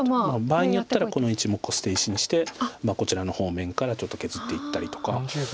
場合によったらこの１目を捨て石にしてこちらの方面からちょっと削っていったりとか。